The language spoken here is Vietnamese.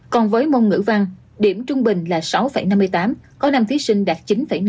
còn với môn ngữ văn điểm trung bình là sáu năm mươi tám có năm thí sinh đạt chín năm